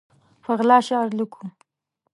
په غلا شعر لیکو